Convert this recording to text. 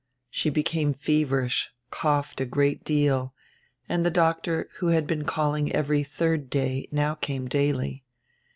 She became feverish, coughed a great deal, and die doctor, who had been calling every tiiird day, now came daily.